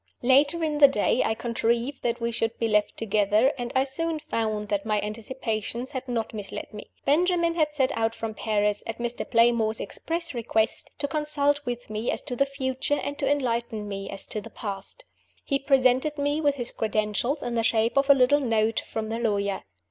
Later in the day I contrived that we should be left together, and I soon found that my anticipations had not misled me. Benjamin had set out for Paris, at Mr. Playmore's express request, to consult with me as to the future, and to enlighten me as to the past. He presented me with his credentials in the shape of a little note from the lawyer.